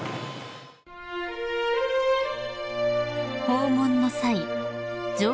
［訪問の際上